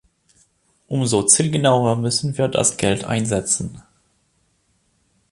Um so zielgenauer müssen wir das Geld einsetzen.